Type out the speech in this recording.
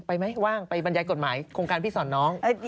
ไปไหมว่างไปบรรยายกฎหมายโครงการพี่สอนน้อง